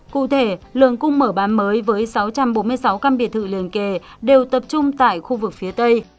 cụ thể lượng cung mở bán mới với sáu trăm bốn mươi sáu căn biệt thự liền kề đều tập trung tại khu vực phía tây